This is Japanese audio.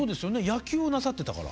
野球をなさってたから。